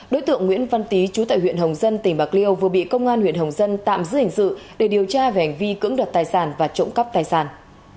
đối tượng nguyễn văn tý chú tại huyện hồng dân tỉnh bạc liêu vừa bị công an huyện hồng dân tạm giữ hình sự để điều tra về hành vi cưỡng đoạt tài sản và trộm cắp tài sản